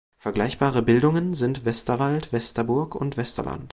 Vergleichbare Bildungen sind Westerwald, Westerburg und Westerland.